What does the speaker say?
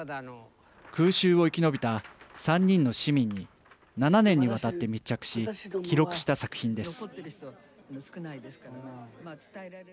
空襲を生き延びた３人の市民に７年にわたって密着し記録した作品です。